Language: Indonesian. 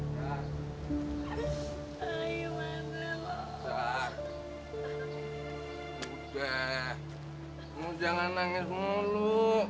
kamu jangan nangis mulu